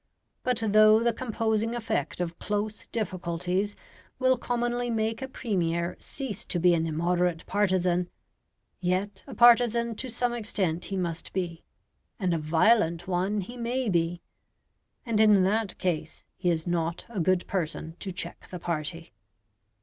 But though the composing effect of close difficulties will commonly make a Premier cease to be an immoderate partisan, yet a partisan to some extent he must be, and a violent one he may be; and in that case he is not a good person to check the party.